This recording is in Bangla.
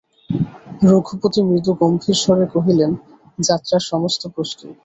রঘুপতি মৃদুগম্ভীর স্বরে কহিলেন, যাত্রার সমস্ত প্রস্তুত।